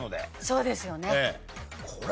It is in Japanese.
そうですよね。